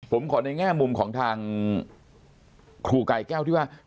ผมขอในแง่มุมของทางครูกายแก้วที่ว่า